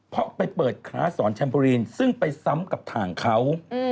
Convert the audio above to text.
เพราะไปเปิดค้าสอนแชมเพอรีนซึ่งไปซ้ำกับทางเขา